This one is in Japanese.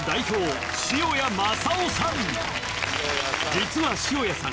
実は塩谷さん